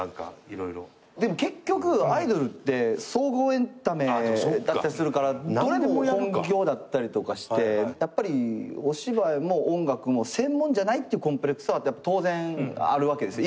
結局アイドルって総合エンタメだったりするからどれも本業だったりとかしてやっぱりお芝居も音楽も専門じゃないってコンプレックスは当然あるわけですよ。